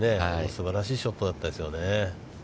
すばらしいショットでしたよね。